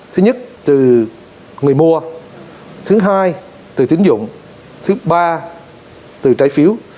thứ nhất từ người mua thứ hai từ tính dụng thứ ba từ trái phiếu